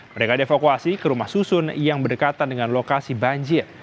mereka dievakuasi ke rumah susun yang berdekatan dengan lokasi banjir